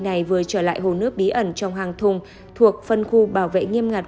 này vừa trở lại hồ nước bí ẩn trong hàng thùng thuộc phân khu bảo vệ nghiêm ngặt